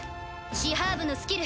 シハーブのスキル